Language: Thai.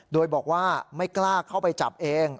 โดยบอกว่าไม่กล้าเข้าไปจับเอง